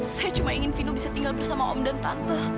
saya cuma ingin vino bisa tinggal bersama om dan tante